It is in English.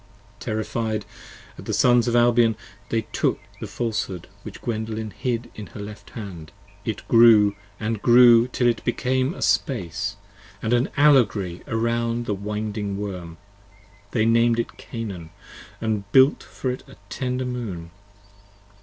Terrified at the Sons of Albion they took the Falshood which 29 Gwendolen hid in her left hand, it grew & grew till it p. 85 BECAME a Space & an Allegory around the Winding Worm: They nam'd it Canaan & built for it a tender Moon.